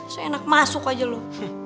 so enak masuk aja lu